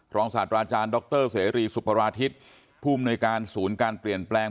ศาสตราอาจารย์ดรเสรีสุพราธิตผู้มนุยการศูนย์การเปลี่ยนแปลง